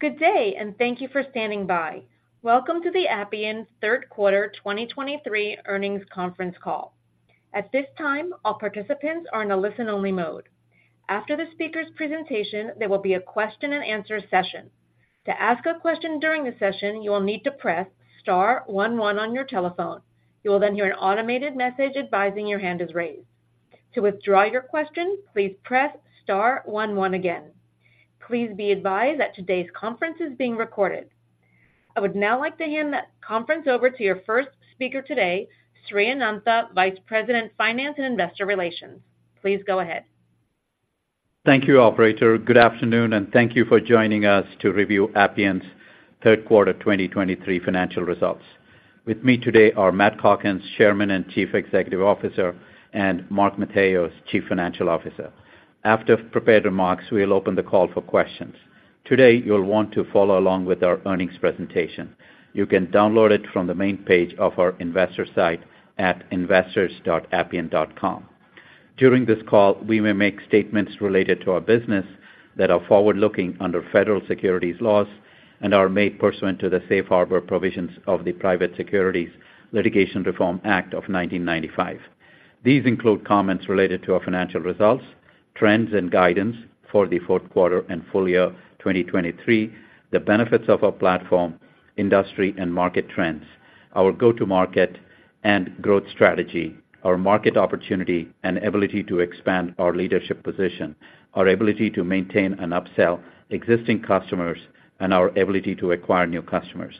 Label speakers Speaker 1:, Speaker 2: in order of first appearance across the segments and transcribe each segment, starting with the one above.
Speaker 1: Good day, and thank you for standing by. Welcome to the Appian's Third Quarter 2023 Earnings Conference Call. At this time, all participants are in a listen-only mode. After the speaker's presentation, there will be a question-and-answer session. To ask a question during the session, you will need to press star one one on your telephone. You will then hear an automated message advising your hand is raised. To withdraw your question, please press star one one again. Please be advised that today's conference is being recorded. I would now like to hand the conference over to your first speaker today, Sri Anantha, Vice President, Finance and Investor Relations. Please go ahead.
Speaker 2: Thank you, operator. Good afternoon, and thank you for joining us to review Appian's Third Quarter 2023 Financial Results. With me today are Matt Calkins, Chairman and Chief Executive Officer, and Mark Matheos, Chief Financial Officer. After prepared remarks, we'll open the call for questions. Today, you'll want to follow along with our earnings presentation. You can download it from the main page of our investor site at investors.appian.com. During this call, we may make statements related to our business that are forward-looking under federal securities laws and are made pursuant to the Safe Harbor provisions of the Private Securities Litigation Reform Act of 1995. These include comments related to our financial results, trends and guidance for the fourth quarter and full year 2023, the benefits of our platform, industry and market trends, our go-to-market and growth strategy, our market opportunity and ability to expand our leadership position, our ability to maintain and upsell existing customers, and our ability to acquire new customers.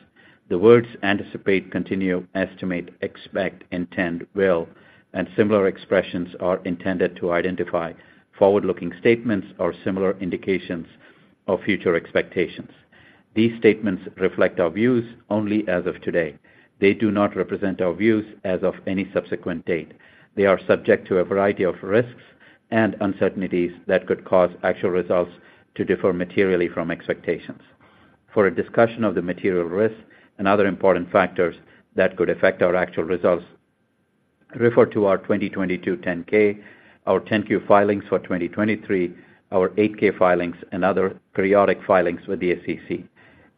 Speaker 2: The words anticipate, continue, estimate, expect, intend, will, and similar expressions are intended to identify forward-looking statements or similar indications of future expectations. These statements reflect our views only as of today. They do not represent our views as of any subsequent date. They are subject to a variety of risks and uncertainties that could cause actual results to differ materially from expectations. For a discussion of the material risks and other important factors that could affect our actual results, refer to our 2022 10-K, our 10-Q filings for 2023, our 8-K filings, and other periodic filings with the SEC.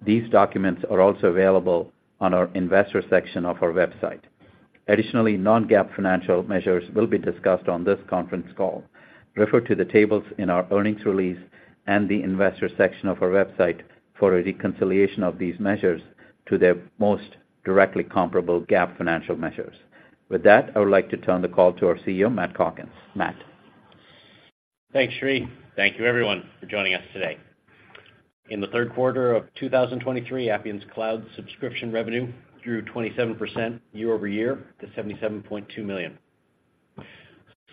Speaker 2: These documents are also available on our investor section of our website. Additionally, non-GAAP financial measures will be discussed on this conference call. Refer to the tables in our earnings release and the investor section of our website for a reconciliation of these measures to their most directly comparable GAAP financial measures. With that, I would like to turn the call to our CEO, Matt Calkins. Matt?
Speaker 3: Thanks, Sri. Thank you everyone for joining us today. In the third quarter of 2023, Appian's cloud subscription revenue grew 27% year-over-year to $77.2 million.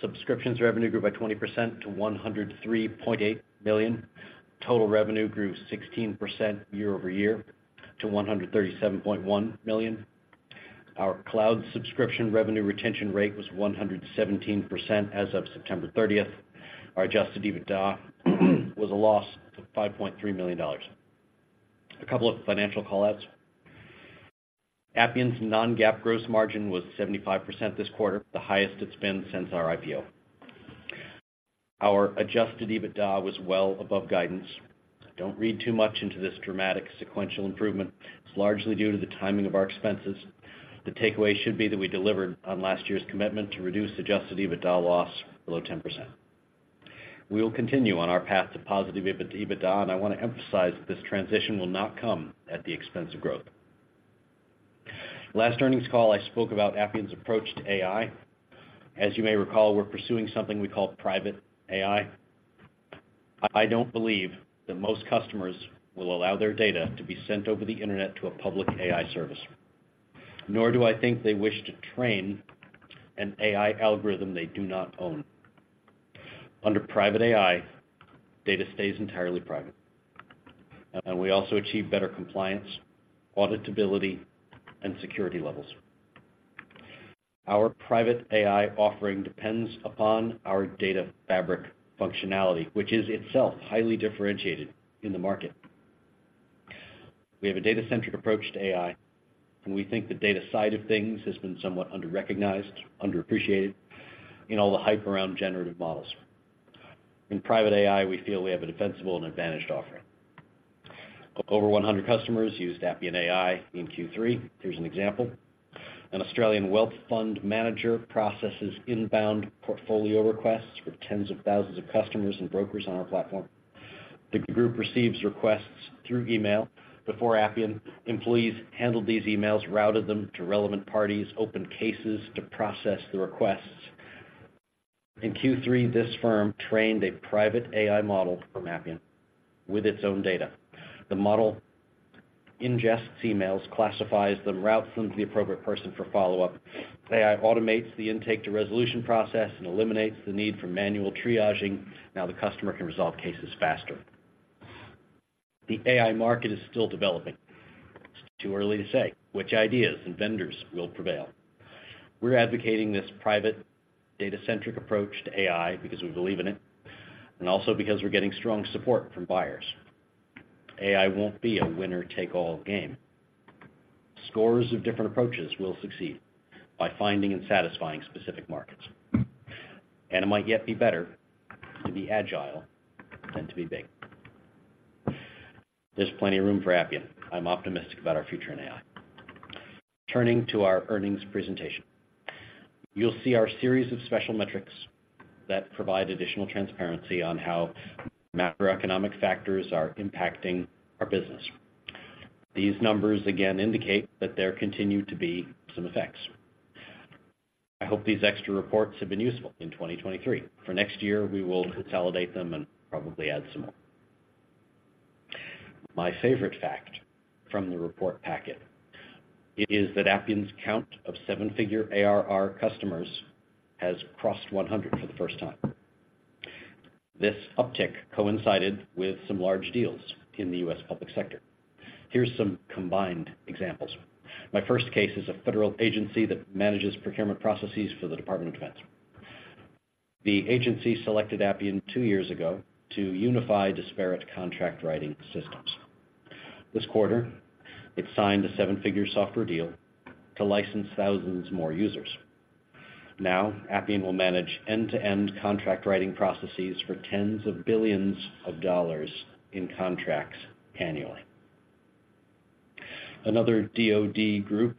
Speaker 3: Subscriptions revenue grew by 20% to $103.8 million. Total revenue grew 16% year-over-year to $137.1 million. Our cloud subscription revenue retention rate was 117% as of September 30. Our Adjusted EBITDA was a loss of $5.3 million. A couple of financial call-outs. Appian's non-GAAP gross margin was 75% this quarter, the highest it's been since our IPO. Our Adjusted EBITDA was well above guidance. Don't read too much into this dramatic sequential improvement. It's largely due to the timing of our expenses. The takeaway should be that we delivered on last year's commitment to reduce Adjusted EBITDA loss below 10%. We will continue on our path to positive EBITDA, and I want to emphasize that this transition will not come at the expense of growth. Last earnings call, I spoke about Appian's approach to AI. As you may recall, we're pursuing something we call Private AI. I don't believe that most customers will allow their data to be sent over the internet to a public AI service, nor do I think they wish to train an AI algorithm they do not own. Under Private AI, data stays entirely private, and we also achieve better compliance, auditability, and security levels. Our Private AI offering depends upon our Data Fabric functionality, which is itself highly differentiated in the market. We have a data-centric approach to AI, and we think the data side of things has been somewhat underrecognized, underappreciated in all the hype around generative models. In Private AI, we feel we have a defensible and advantaged offering. Over 100 customers used Appian AI in Q3. Here's an example: An Australian wealth fund manager processes inbound portfolio requests for tens of thousands of customers and brokers on our platform. The group receives requests through email. Before Appian, employees handled these emails, routed them to relevant parties, opened cases to process the requests. In Q3, this firm trained a Private AI model from Appian with its own data. The model ingests emails, classifies them, routes them to the appropriate person for follow-up. AI automates the intake to resolution process and eliminates the need for manual triaging. Now, the customer can resolve cases faster. The AI market is still developing. It's too early to say which ideas and vendors will prevail. We're advocating this private, data-centric approach to AI because we believe in it, and also because we're getting strong support from buyers. AI won't be a winner-take-all game. Scores of different approaches will succeed by finding and satisfying specific markets, and it might yet be better to be agile than to be big. There's plenty of room for Appian. I'm optimistic about our future in AI. Turning to our earnings presentation, you'll see our series of special metrics that provide additional transparency on how macroeconomic factors are impacting our business. These numbers again indicate that there continue to be some effects. I hope these extra reports have been useful in 2023. For next year, we will consolidate them and probably add some more. My favorite fact from the report packet is that Appian's count of seven-figure ARR customers has crossed 100 for the first time. This uptick coincided with some large deals in the U.S. public sector. Here's some combined examples. My first case is a federal agency that manages procurement processes for the Department of Defense. The agency selected Appian two years ago to unify disparate contract writing systems. This quarter, it signed a seven-figure software deal to license thousands more users. Now, Appian will manage end-to-end contract writing processes for tens of billions of dollars in contracts annually. Another DoD group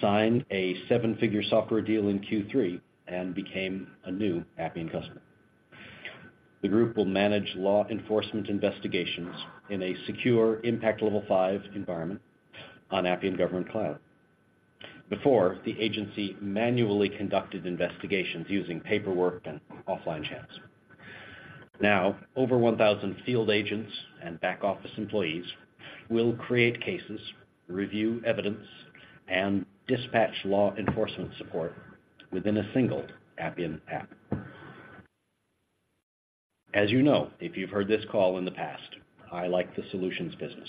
Speaker 3: signed a seven-figure software deal in Q3 and became a new Appian customer. The group will manage law enforcement investigations in a secure Impact Level 5 environment on Appian Government Cloud. Before, the agency manually conducted investigations using paperwork and offline chats. Now, over 1,000 field agents and back-office employees will create cases, review evidence, and dispatch law enforcement support within a single Appian app. As you know, if you've heard this call in the past, I like the solutions business.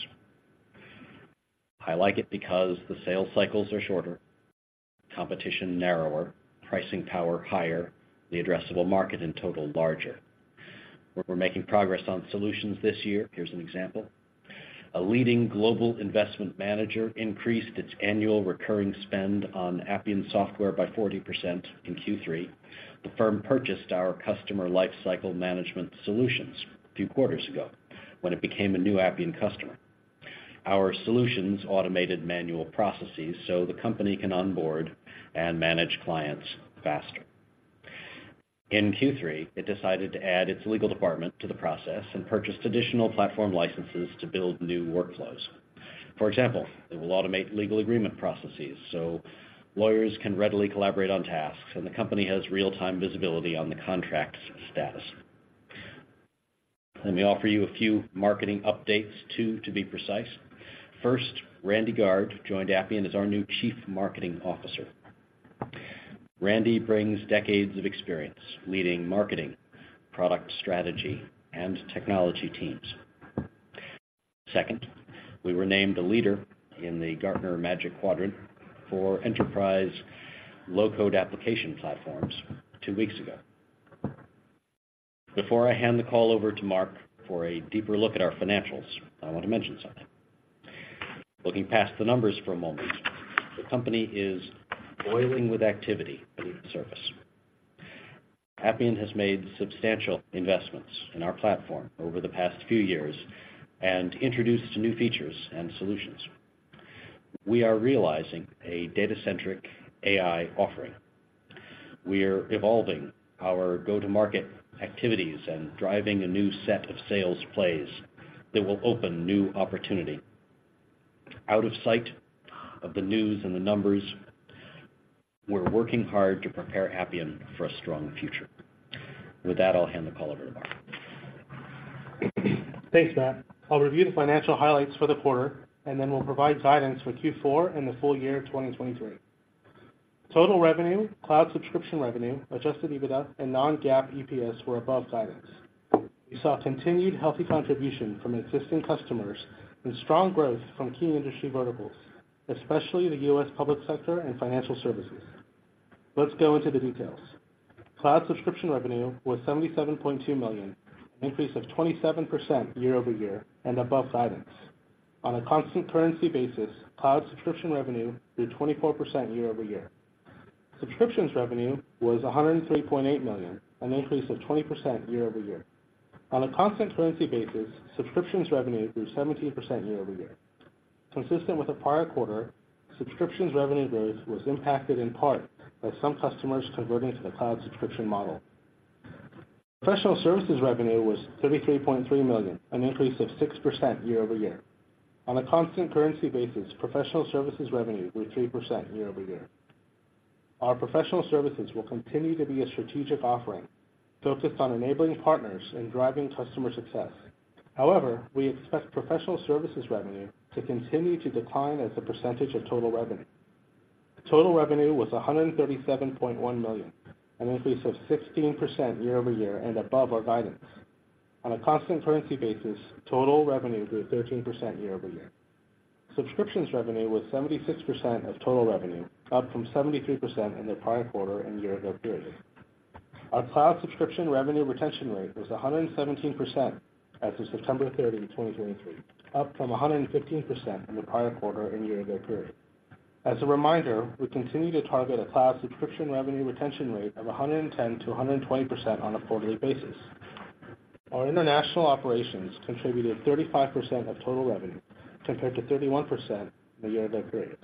Speaker 3: I like it because the sales cycles are shorter, competition narrower, pricing power higher, the addressable market in total, larger. We're making progress on solutions this year. Here's an example: A leading global investment manager increased its annual recurring spend on Appian software by 40% in Q3. The firm purchased our Customer Lifecycle Management solutions a few quarters ago when it became a new Appian customer. Our solutions automated manual processes so the company can onboard and manage clients faster. In Q3, it decided to add its legal department to the process and purchased additional platform licenses to build new workflows. For example, it will automate legal agreement processes so lawyers can readily collaborate on tasks, and the company has real-time visibility on the contract's status. Let me offer you a few marketing updates, two, to be precise. First, Randy Guard joined Appian as our new Chief Marketing Officer. Randy brings decades of experience leading marketing, product strategy, and technology teams. Second, we were named a leader in the Gartner Magic Quadrant for Enterprise Low-Code Application Platforms two weeks ago. Before I hand the call over to Mark for a deeper look at our financials, I want to mention something. Looking past the numbers for a moment, the company is boiling with activity beneath the surface. Appian has made substantial investments in our platform over the past few years and introduced new features and solutions. We are realizing a data-centric AI offering. We are evolving our go-to-market activities and driving a new set of sales plays that will open new opportunity. Out of sight of the news and the numbers, we're working hard to prepare Appian for a strong future. With that, I'll hand the call over to Mark.
Speaker 4: Thanks, Matt. I'll review the financial highlights for the quarter, and then we'll provide guidance for Q4 and the full year 2023. Total revenue, cloud subscription revenue, adjusted EBITDA, and non-GAAP EPS were above guidance. We saw continued healthy contribution from existing customers and strong growth from key industry verticals, especially the U.S. public sector and financial services. Let's go into the details. Cloud subscription revenue was $77.2 million, an increase of 27% year-over-year and above guidance. On a constant currency basis, cloud subscription revenue grew 24% year-over-year. Subscriptions revenue was $103.8 million, an increase of 20% year-over-year. On a constant currency basis, subscriptions revenue grew 17% year-over-year. Consistent with the prior quarter, subscriptions revenue growth was impacted in part by some customers converting to the cloud subscription model. Professional services revenue was $33.3 million, an increase of 6% year-over-year. On a constant currency basis, professional services revenue grew 3% year-over-year. Our professional services will continue to be a strategic offering focused on enabling partners and driving customer success. However, we expect professional services revenue to continue to decline as a percentage of total revenue. Total revenue was $137.1 million, an increase of 16% year-over-year and above our guidance. On a constant currency basis, total revenue grew 13% year-over-year. Subscriptions revenue was 76% of total revenue, up from 73% in the prior quarter and year ago period. Our cloud subscription revenue retention rate was 117% as of September 30, 2023, up from 115% in the prior quarter and year ago period. As a reminder, we continue to target a cloud subscription revenue retention rate of 110%-120% on a quarterly basis. Our international operations contributed 35% of total revenue, compared to 31% in the year ago period.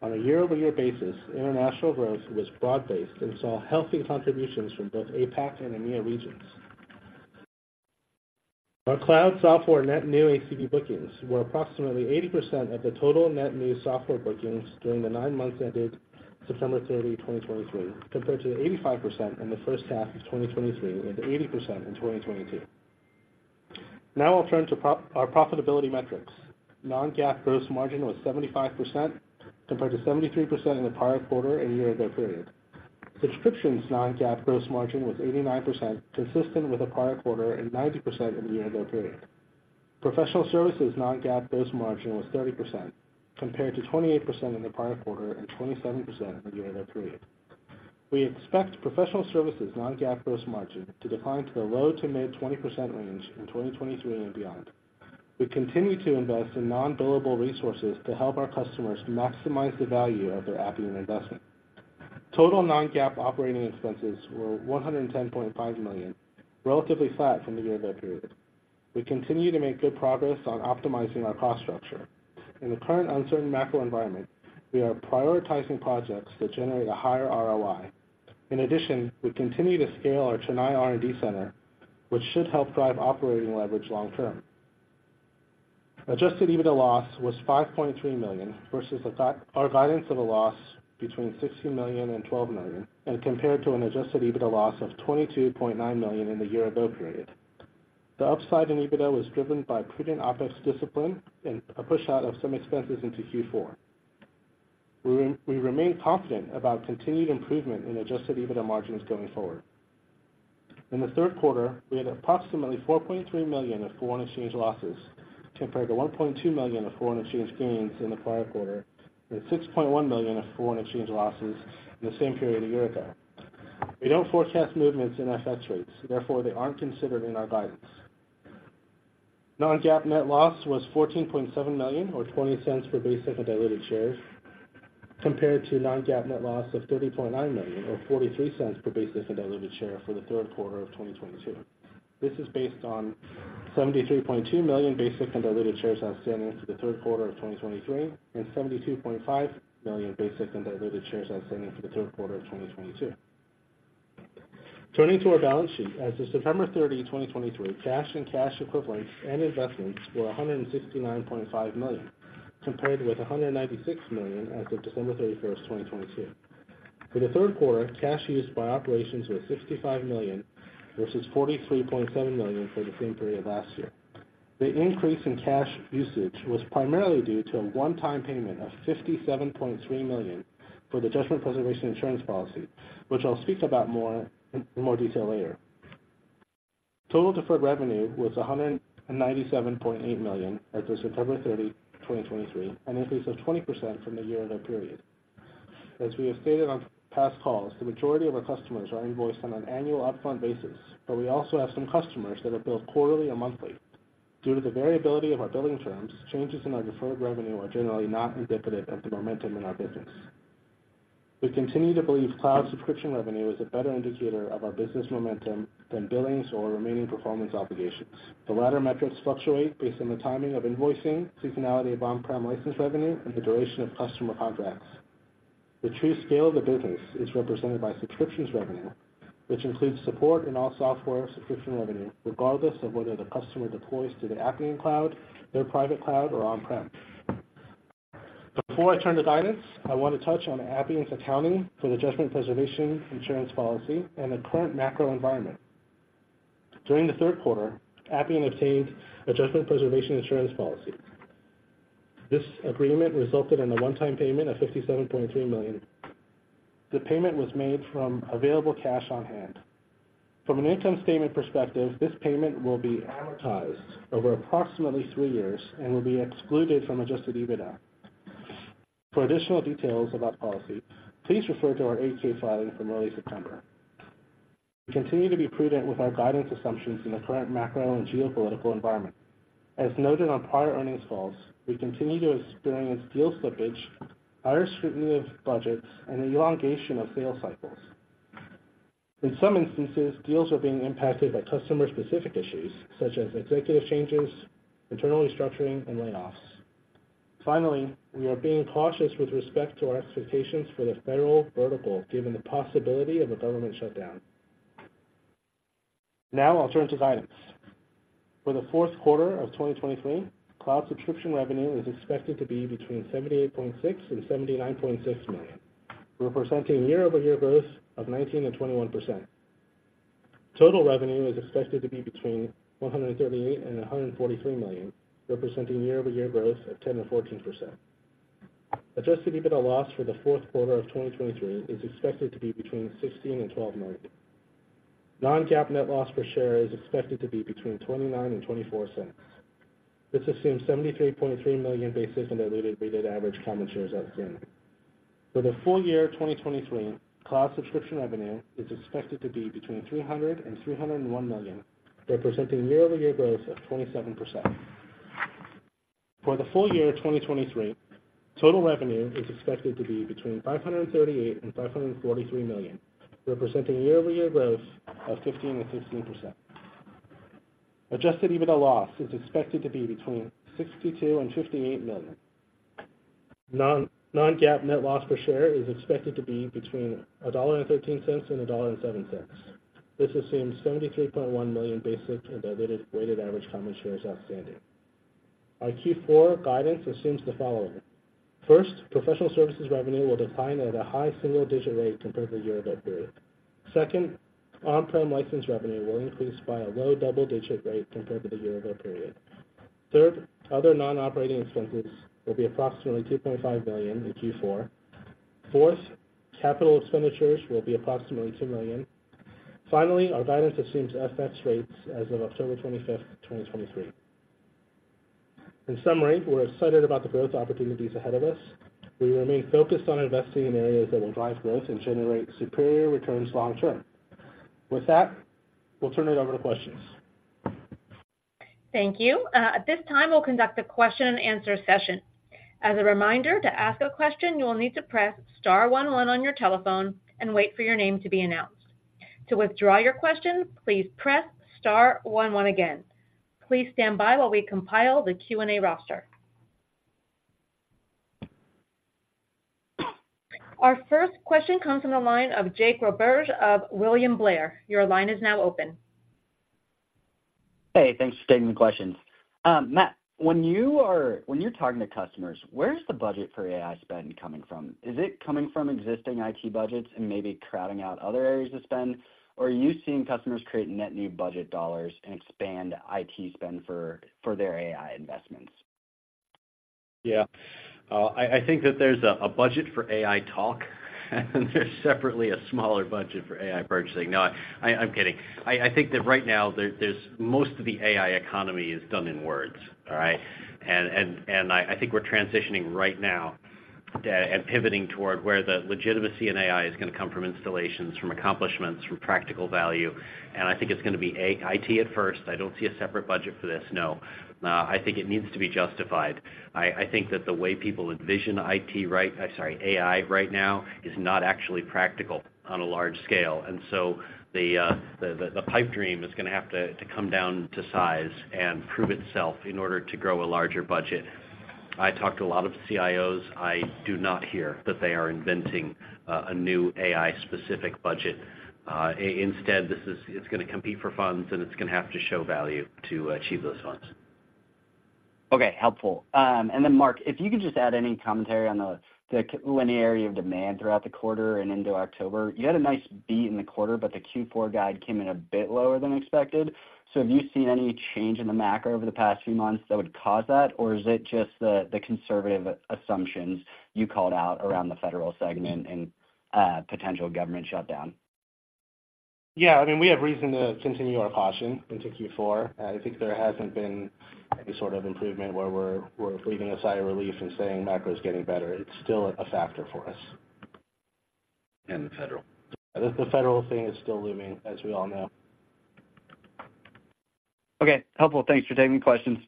Speaker 4: On a year-over-year basis, international growth was broad-based and saw healthy contributions from both APAC and EMEA regions. Our cloud software net new ACV bookings were approximately 80% of the total net new software bookings during the nine months ended September 30, 2023, compared to 85% in the first half of 2023, and 80% in 2022. Now I'll turn to our profitability metrics. Non-GAAP gross margin was 75%, compared to 73% in the prior quarter and year ago period. Subscriptions non-GAAP gross margin was 89%, consistent with the prior quarter, and 90% in the year ago period. Professional services non-GAAP gross margin was 30%, compared to 28% in the prior quarter and 27% in the year ago period. We expect professional services non-GAAP gross margin to decline to the low- to mid-20% range in 2023 and beyond. We continue to invest in non-billable resources to help our customers maximize the value of their Appian investment. Total non-GAAP operating expenses were $110.5 million, relatively flat from the year ago period. We continue to make good progress on optimizing our cost structure. In the current uncertain macro environment, we are prioritizing projects that generate a higher ROI. In addition, we continue to scale our Chennai R&D center, which should help drive operating leverage long term. Adjusted EBITDA loss was $5.3 million, versus the fact our guidance of a loss between $16 million and $12 million, and compared to an adjusted EBITDA loss of $22.9 million in the year ago period. The upside in EBITDA was driven by prudent OpEx discipline and a push out of some expenses into Q4. We remain confident about continued improvement in adjusted EBITDA margins going forward. In the third quarter, we had approximately $4.3 million of foreign exchange losses, compared to $1.2 million of foreign exchange gains in the prior quarter, and $6.1 million of foreign exchange losses in the same period a year ago. We don't forecast movements in FX rates, therefore, they aren't considered in our guidance. Non-GAAP net loss was $14.7 million or $0.20 per basic and diluted shares, compared to non-GAAP net loss of $30.9 million or $0.43 per basic and diluted share for the third quarter of 2022. This is based on 73.2 million basic and diluted shares outstanding for the third quarter of 2023, and 72.5 million basic and diluted shares outstanding for the third quarter of 2022. Turning to our balance sheet, as of September 30, 2023, cash and cash equivalents and investments were $169.5 million, compared with $196 million as of December 31, 2022. For the third quarter, cash used by operations was $65 million, versus $43.7 million for the same period last year. The increase in cash usage was primarily due to a one-time payment of $57.3 million for the judgment preservation insurance policy, which I'll speak about more, in more detail later. Total deferred revenue was $197.8 million as of September 30, 2023, an increase of 20% from the year ago period. As we have stated on past calls, the majority of our customers are invoiced on an annual upfront basis, but we also have some customers that are billed quarterly or monthly. Due to the variability of our billing terms, changes in our deferred revenue are generally not indicative of the momentum in our business. We continue to believe cloud subscription revenue is a better indicator of our business momentum than billings or remaining performance obligations. The latter metrics fluctuate based on the timing of invoicing, seasonality of on-prem license revenue, and the duration of customer contracts. The true scale of the business is represented by subscription revenue, which includes support and all software subscription revenue, regardless of whether the customer deploys to the Appian cloud, their private cloud, or on-prem. Before I turn to guidance, I want to touch on Appian's accounting for the judgment preservation insurance policy and the current macro environment. During the third quarter, Appian obtained a judgment preservation insurance policy. This agreement resulted in a one-time payment of $57.3 million. The payment was made from available cash on hand. From an income statement perspective, this payment will be amortized over approximately three years and will be excluded from Adjusted EBITDA. For additional details of our policy, please refer to our 8-K filing from early September. We continue to be prudent with our guidance assumptions in the current macro and geopolitical environment. As noted on prior earnings calls, we continue to experience deal slippage, higher scrutiny of budgets, and an elongation of sales cycles. In some instances, deals are being impacted by customer-specific issues, such as executive changes, internal restructuring, and layoffs. Finally, we are being cautious with respect to our expectations for the federal vertical, given the possibility of a government shutdown. Now I'll turn to guidance. For the fourth quarter of 2023, cloud subscription revenue is expected to be between $78.6 million and $79.6 million, representing year-over-year growth of 19% and 21%. Total revenue is expected to be between $138 million and $143 million, representing year-over-year growth of 10% and 14%. Adjusted EBITDA loss for the fourth quarter of 2023 is expected to be between $16 million and $12 million. Non-GAAP net loss per share is expected to be between $0.29 and $0.24. This assumes 73.3 million basic and diluted weighted average common shares outstanding. For the full year of 2023, cloud subscription revenue is expected to be between $300 million and $301 million, representing year-over-year growth of 27%. For the full year of 2023, total revenue is expected to be between $538 million and $543 million, representing year-over-year growth of 15%-16%. Adjusted EBITDA loss is expected to be between $62 million and $58 million. Non-GAAP net loss per share is expected to be between $1.13 and $1.07. This assumes 73.1 million basic and diluted weighted average common shares outstanding. Our Q4 guidance assumes the following: First, professional services revenue will decline at a high single-digit rate compared to the year-over-year period. Second, on-prem license revenue will increase by a low double-digit rate compared to the year-over-year period. Third, other non-operating expenses will be approximately $2.5 billion in Q4. Fourth, capital expenditures will be approximately $2 million. Finally, our guidance assumes FX rates as of October 25, 2023. In summary, we're excited about the growth opportunities ahead of us. We remain focused on investing in areas that will drive growth and generate superior returns long term. With that, we'll turn it over to questions.
Speaker 1: Thank you. At this time, we'll conduct a question and answer session. As a reminder, to ask a question, you will need to press star one on your telephone and wait for your name to be announced. To withdraw your question, please press star one one again. Please stand by while we compile the Q&A roster. Our first question comes from the line of Jake Roberge of William Blair. Your line is now open.
Speaker 5: Hey, thanks for taking the questions. Matt, when you're talking to customers, where's the budget for AI spend coming from? Is it coming from existing IT budgets and maybe crowding out other areas of spend, or are you seeing customers create net new budget dollars and expand IT spend for their AI investments?
Speaker 3: Yeah. I think that there's a budget for AI talk, and there's separately a smaller budget for AI purchasing. No, I'm kidding. I think that right now, there's most of the AI economy is done in words. All right? And I think we're transitioning right now, and pivoting toward where the legitimacy in AI is gonna come from installations, from accomplishments, from practical value. And I think it's gonna be AI, IT at first. I don't see a separate budget for this, no. I think it needs to be justified. I think that the way people envision IT right. I'm sorry, AI right now is not actually practical on a large scale, and so the pipe dream is gonna have to come down to size and prove itself in order to grow a larger budget. I talk to a lot of CIOs. I do not hear that they are inventing a new AI-specific budget. Instead, this is—it's gonna compete for funds, and it's gonna have to show value to achieve those funds.
Speaker 5: Okay, helpful. And then, Mark, if you could just add any commentary on the linear area of demand throughout the quarter and into October. You had a nice beat in the quarter, but the Q4 guide came in a bit lower than expected. So have you seen any change in the macro over the past few months that would cause that, or is it just the conservative assumptions you called out around the federal segment and potential government shutdown?
Speaker 4: Yeah, I mean, we have reason to continue our caution into Q4. I think there hasn't been any sort of improvement where we're breathing a sigh of relief and saying, macro is getting better. It's still a factor for us. The federal. The federal thing is still looming, as we all know.
Speaker 5: Okay. Helpful. Thanks for taking the questions.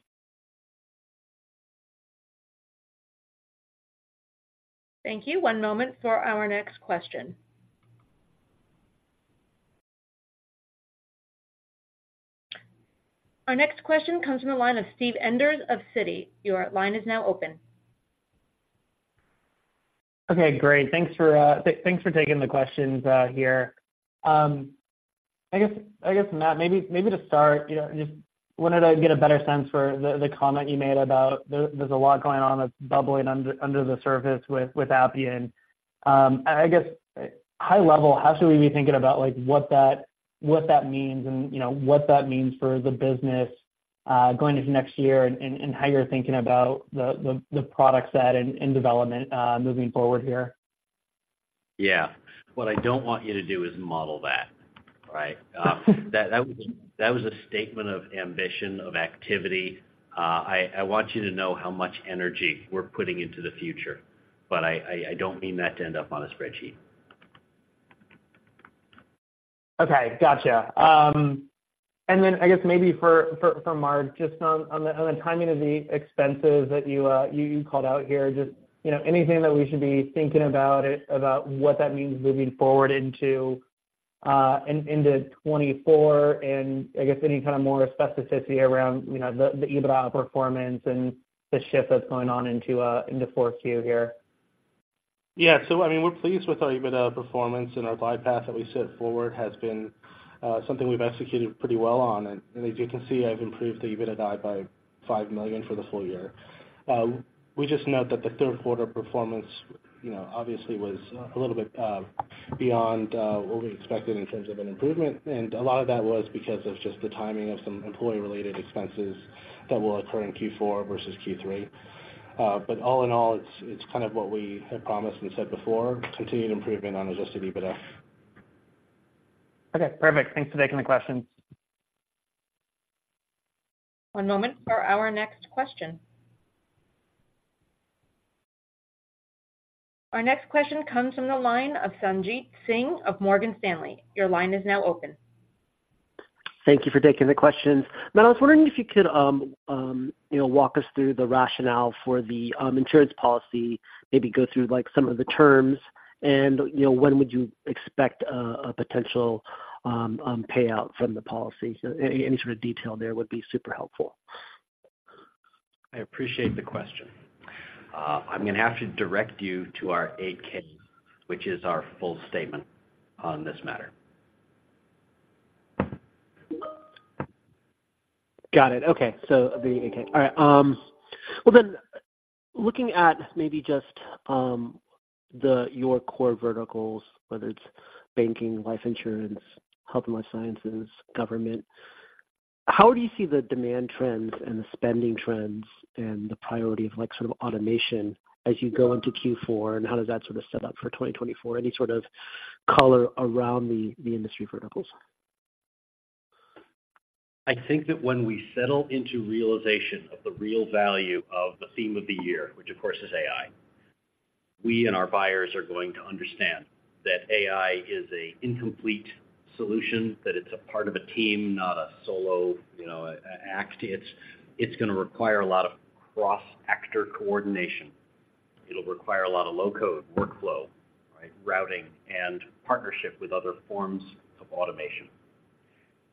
Speaker 1: Thank you. One moment for our next question. Our next question comes from the line of Steve Enders of Citi. Your line is now open.
Speaker 6: Okay, great. Thanks for taking the questions here. I guess, Matt, maybe to start, you know, just wanted to get a better sense for the comment you made about there's a lot going on that's bubbling under the surface with Appian. I guess, high level, how should we be thinking about, like, what that means and, you know, what that means for the business going into next year and how you're thinking about the product set and development moving forward here?
Speaker 3: Yeah. What I don't want you to do is model that, right? That was a statement of ambition, of activity. I want you to know how much energy we're putting into the future, but I don't mean that to end up on a spreadsheet.
Speaker 6: Okay, gotcha. And then I guess maybe for Mark, just on the timing of the expenses that you called out here, just you know, anything that we should be thinking about it, about what that means moving forward into 2024, and I guess any kind of more specificity around, you know, the EBITDA performance and the shift that's going on into Q4 here.
Speaker 4: Yeah. So I mean, we're pleased with our EBITDA performance, and our bypass that we set forward has been something we've executed pretty well on. And, and as you can see, I've improved the EBITDA by $5 million for the full year. We just note that the third quarter performance, you know, obviously was a little bit beyond what we expected in terms of an improvement, and a lot of that was because of just the timing of some employee-related expenses that will occur in Q4 versus Q3. But all in all, it's, it's kind of what we had promised and said before, continued improvement on adjusted EBITDA.
Speaker 6: Okay, perfect. Thanks for taking the question.
Speaker 1: One moment for our next question. Our next question comes from the line of Sanjit Singh of Morgan Stanley. Your line is now open.
Speaker 7: Thank you for taking the questions. Matt, I was wondering if you could, you know, walk us through the rationale for the insurance policy, maybe go through, like, some of the terms, and, you know, when would you expect a potential payout from the policy? Any sort of detail there would be super helpful.
Speaker 3: I appreciate the question. I'm gonna have to direct you to our 8-K, which is our full statement on this matter.
Speaker 7: Got it. Okay. So the 8-K. All right, well, then, looking at maybe just your core verticals, whether it's banking, life insurance, health and life sciences, government, how do you see the demand trends and the spending trends and the priority of, like, sort of automation as you go into Q4, and how does that sort of set up for 2024? Any sort of color around the industry verticals?
Speaker 3: I think that when we settle into realization of the real value of the theme of the year, which, of course, is AI, we and our buyers are going to understand that AI is an incomplete solution, that it's a part of a team, not a solo, you know, act. It's, it's gonna require a lot of cross-actor coordination. It'll require a lot of low-code workflow, right, routing and partnership with other forms of automation.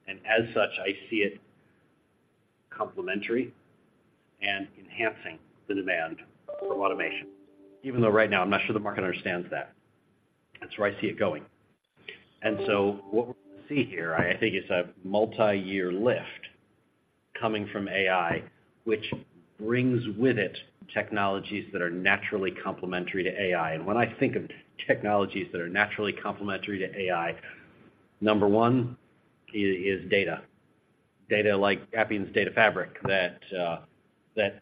Speaker 3: And as such, I see it complementary and enhancing the demand for automation. Even though right now, I'm not sure the market understands that, that's where I see it going. And so what we see here, I think, is a multiyear lift coming from AI, which brings with it technologies that are naturally complementary to AI. And when I think of technologies that are naturally complementary to AI, number one is data. Data like Appian's Data Fabric, that, that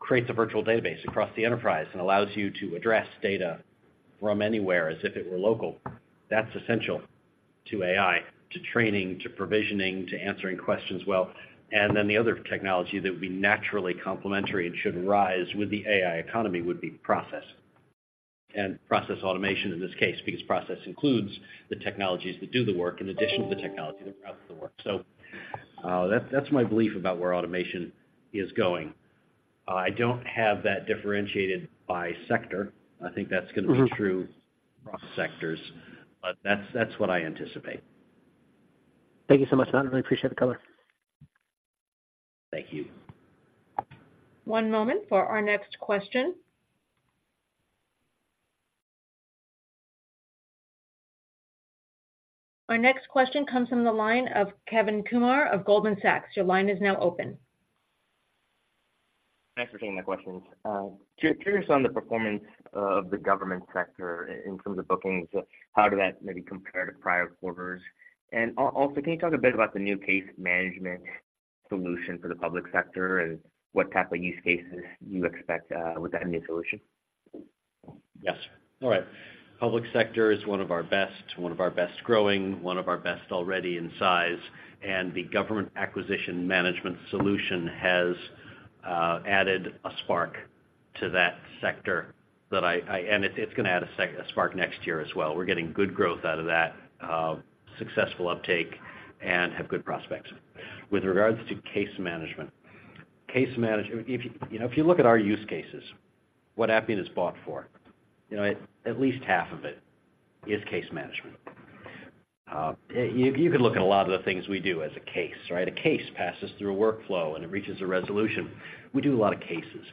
Speaker 3: creates a virtual database across the enterprise and allows you to address data from anywhere as if it were local. That's essential to AI, to training, to provisioning, to answering questions well. And then the other technology that would be naturally complementary and should rise with the AI economy would be process, and process automation in this case, because process includes the technologies that do the work in addition to the technology that routes the work. So, that, that's my belief about where automation is going. I don't have that differentiated by sector. I think that's gonna be true across sectors, but that's, that's what I anticipate.
Speaker 7: Thank you so much, Matt. I really appreciate the color.
Speaker 3: Thank you.
Speaker 1: One moment for our next question. Our next question comes from the line of Kevin Kumar of Goldman Sachs. Your line is now open.
Speaker 8: Thanks for taking my questions. Curious on the performance of the government sector in terms of bookings, how did that maybe compare to prior quarters? And also, can you talk a bit about the new case management solution for the public sector and what type of use cases you expect with that new solution?
Speaker 3: Yes. All right. Public sector is one of our best, one of our best growing, one of our best already in size, and the Government Acquisition Management solution has added a spark to that sector that I... And it, it's gonna add a spark next year as well. We're getting good growth out of that, successful uptake and have good prospects. With regards to case management. If you know, if you look at our use cases, what Appian is bought for, you know, at least half of it is case management. You could look at a lot of the things we do as a case, right? A case passes through a workflow, and it reaches a resolution. We do a lot of cases.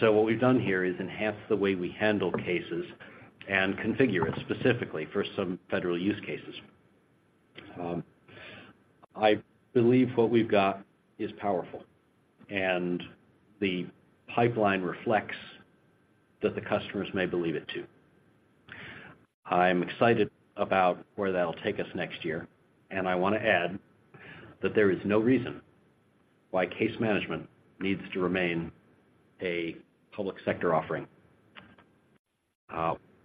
Speaker 3: What we've done here is enhance the way we handle cases and configure it specifically for some federal use cases. I believe what we've got is powerful, and the pipeline reflects that the customers may believe it, too. I'm excited about where that'll take us next year, and I want to add that there is no reason why case management needs to remain a public sector offering.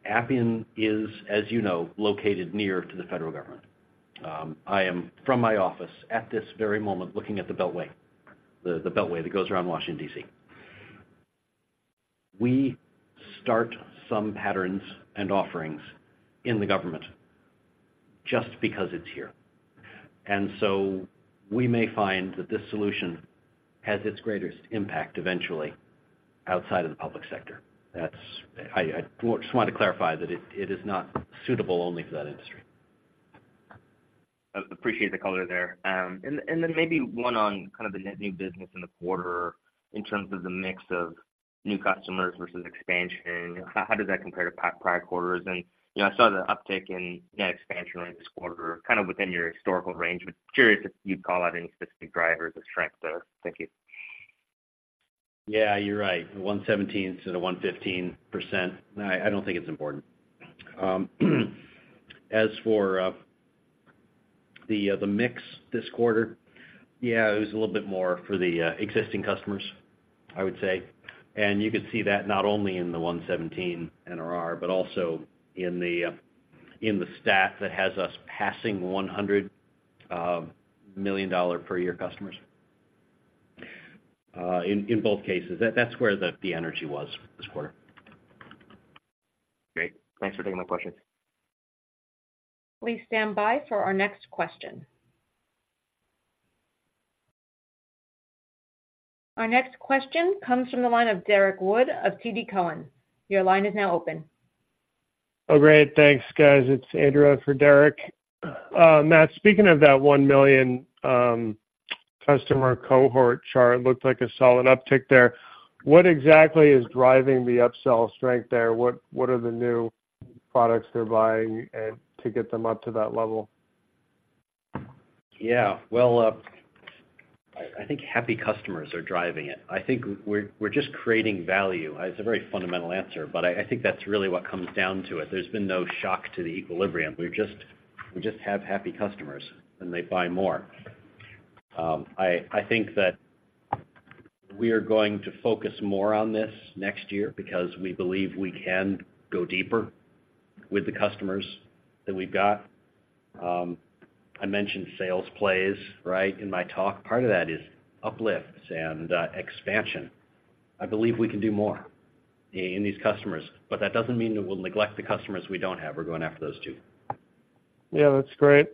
Speaker 3: Appian is, as you know, located near to the federal government. I am, from my office at this very moment, looking at the Beltway that goes around Washington, D.C. We start some patterns and offerings in the government just because it's here, and so we may find that this solution has its greatest impact eventually outside of the public sector. That's. I just wanted to clarify that it is not suitable only for that industry.
Speaker 8: I appreciate the color there. And then maybe one on kind of the new business in the quarter in terms of the mix of new customers versus expansion. How does that compare to prior quarters? And, you know, I saw the uptick in net expansion during this quarter, kind of within your historical range, but curious if you'd call out any specific drivers of strength there. Thank you.
Speaker 3: Yeah, you're right. 117% to the 115%. I, I don't think it's important. As for the mix this quarter, yeah, it was a little bit more for the existing customers, I would say. And you could see that not only in the 117 NRR, but also in the stat that has us passing $100 million per year customers. In both cases, that's where the energy was this quarter.
Speaker 8: Great. Thanks for taking my questions.
Speaker 1: Please stand by for our next question. Our next question comes from the line of Derek Wood of TD Cowen. Your line is now open.
Speaker 9: Oh, great. Thanks, guys. It's Andrew in for Derek. Matt, speaking of that 1 million customer cohort chart, looked like a solid uptick there. What exactly is driving the upsell strength there? What, what are the new products they're buying and to get them up to that level?
Speaker 3: Yeah, well, I think happy customers are driving it. I think we're just creating value. It's a very fundamental answer, but I think that's really what comes down to it. There's been no shock to the equilibrium. We just have happy customers, and they buy more. I think that we are going to focus more on this next year because we believe we can go deeper with the customers that we've got. I mentioned sales plays, right, in my talk. Part of that is uplifts and expansion. I believe we can do more in these customers, but that doesn't mean that we'll neglect the customers we don't have. We're going after those, too.
Speaker 9: Yeah, that's great.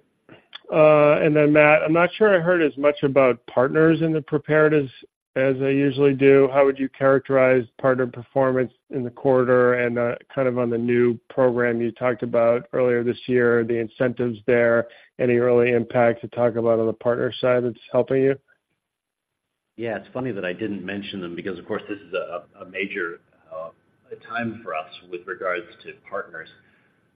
Speaker 9: And then, Matt, I'm not sure I heard as much about partners in the prepared as, as I usually do. How would you characterize partner performance in the quarter and, kind of on the new program you talked about earlier this year, the incentives there, any early impact to talk about on the partner side that's helping you?
Speaker 3: Yeah, it's funny that I didn't mention them because, of course, this is a major time for us with regards to partners.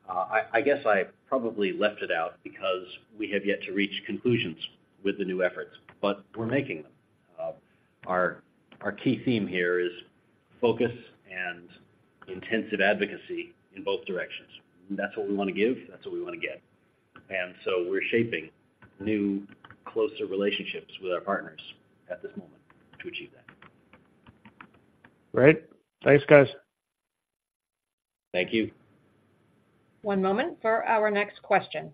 Speaker 3: I guess I probably left it out because we have yet to reach conclusions with the new efforts, but we're making them. Our key theme here is focus and intensive advocacy in both directions. That's what we want to give, that's what we want to get. And so we're shaping new, closer relationships with our partners at this moment to achieve that.
Speaker 9: Great. Thanks, guys.
Speaker 3: Thank you.
Speaker 1: One moment for our next question.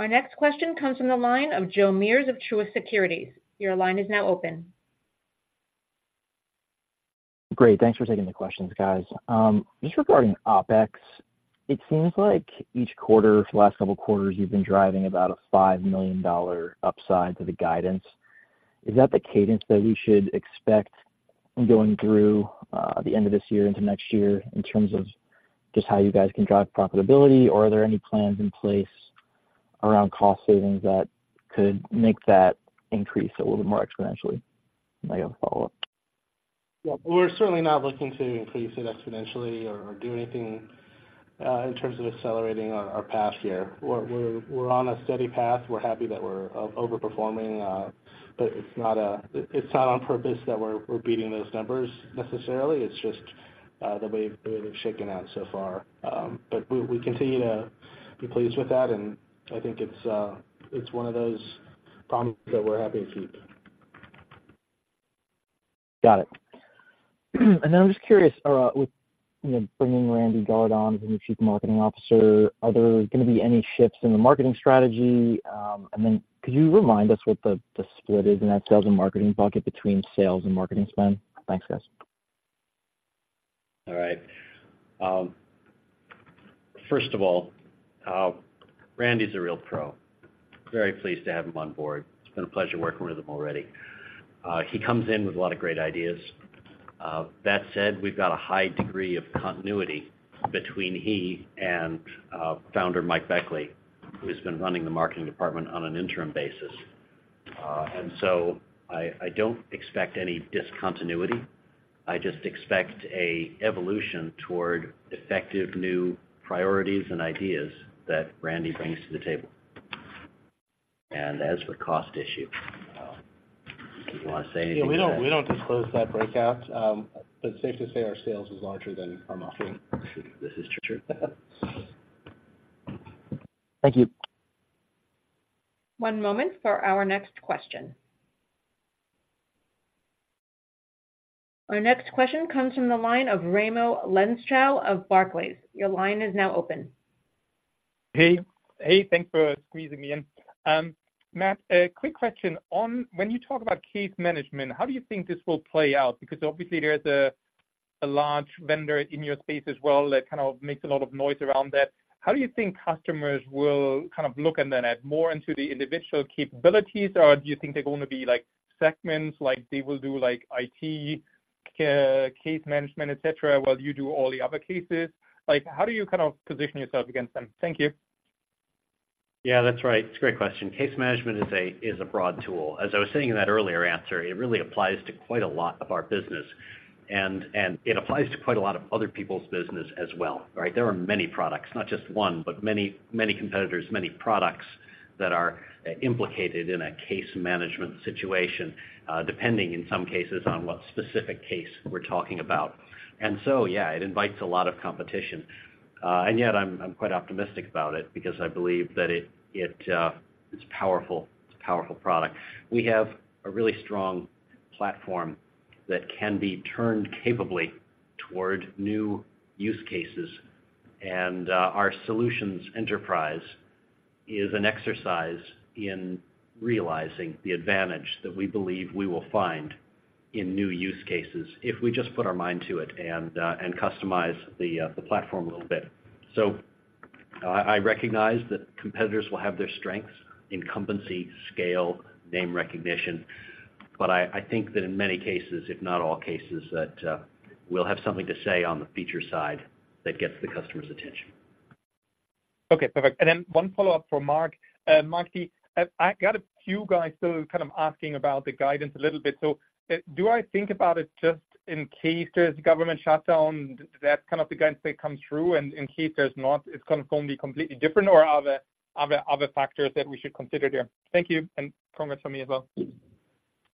Speaker 1: Our next question comes from the line of Joe Meares of Truist Securities. Your line is now open.
Speaker 10: Great. Thanks for taking the questions, guys. Just regarding OpEx, it seems like each quarter for the last several quarters, you've been driving about a $5 million upside to the guidance. Is that the cadence that we should expect going through the end of this year into next year in terms of just how you guys can drive profitability? Or are there any plans in place around cost savings that could make that increase a little bit more exponentially? I have a follow-up.
Speaker 4: Yeah. We're certainly not looking to increase it exponentially or do anything in terms of accelerating our path here. We're on a steady path. We're happy that we're overperforming, but it's not on purpose that we're beating those numbers necessarily. It's just the way they've shaken out so far. But we continue to be pleased with that, and I think it's one of those problems that we're happy to keep.
Speaker 10: Got it. And then I'm just curious, with, you know, bringing Randy Guard on as the new Chief Marketing Officer, are there gonna be any shifts in the marketing strategy? And then could you remind us what the, the split is in that sales and marketing bucket between sales and marketing spend? Thanks, guys.
Speaker 3: All right. First of all, Randy's a real pro. Very pleased to have him on board. It's been a pleasure working with him already. He comes in with a lot of great ideas. That said, we've got a high degree of continuity between he and founder Mike Beckley, who has been running the marketing department on an interim basis. And so I, I don't expect any discontinuity. I just expect a evolution toward effective new priorities and ideas that Randy brings to the table. And as for cost issue, do you want to say anything?
Speaker 4: Yeah, we don't disclose that breakout, but it's safe to say our sales is larger than our marketing.
Speaker 3: This is true.
Speaker 10: Thank you.
Speaker 1: One moment for our next question. Our next question comes from the line of Raimo Lenschow of Barclays. Your line is now open.
Speaker 11: Hey, hey, thanks for squeezing me in. Matt, a quick question. On when you talk about case management, how do you think this will play out? Because obviously there's a large vendor in your space as well that kind of makes a lot of noise around that. How do you think customers will kind of look and then add more into the individual capabilities, or do you think they're going to be like segments, like they will do like IT case management, et cetera, while you do all the other cases? Like, how do you kind of position yourself against them? Thank you.
Speaker 3: Yeah, that's right. It's a great question. Case management is a broad tool. As I was saying in that earlier answer, it really applies to quite a lot of our business, and it applies to quite a lot of other people's business as well, right? There are many products, not just one, but many, many competitors, many products that are implicated in a case management situation, depending in some cases on what specific case we're talking about. And so, yeah, it invites a lot of competition. And yet I'm quite optimistic about it because I believe that it's powerful. It's a powerful product. We have a really strong platform that can be turned capably toward new use cases, and our solutions enterprise is an exercise in realizing the advantage that we believe we will find in new use cases if we just put our mind to it and customize the platform a little bit. So I recognize that competitors will have their strengths, incumbency, scale, name recognition, but I think that in many cases, if not all cases, we'll have something to say on the feature side that gets the customer's attention.
Speaker 11: Okay, perfect. And then one follow-up for Mark. Mark, I got a few guys still kind of asking about the guidance a little bit. So, do I think about it just in case there's a government shutdown, that's kind of the guidance that comes through, and in case there's not, it's going to be completely different, or are there other factors that we should consider there? Thank you, and progress for me as well.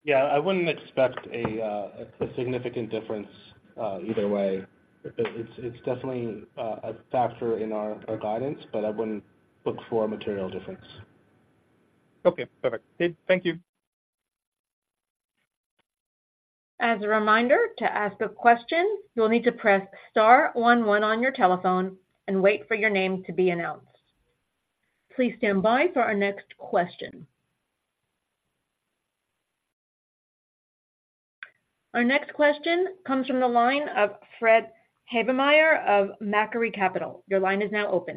Speaker 4: Yeah, I wouldn't expect a significant difference either way. It's definitely a factor in our guidance, but I wouldn't look for a material difference.
Speaker 11: Okay, perfect. Okay, thank you.
Speaker 1: As a reminder, to ask a question, you'll need to press star one one on your telephone and wait for your name to be announced. Please stand by for our next question. Our next question comes from the line of Fred Havemeyer of Macquarie Capital. Your line is now open.